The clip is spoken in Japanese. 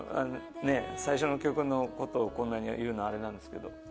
最初の曲のことをこんなに言うのあれなんですけど。